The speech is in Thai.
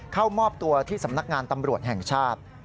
เข้ามอบตัวที่สำนักงานตำรวจแห่งชาติ